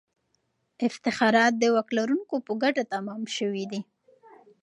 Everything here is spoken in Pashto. افتخارات د واک لرونکو په ګټه تمام سوي دي.